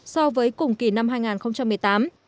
so với cùng kỳ năm hai nghìn một mươi tám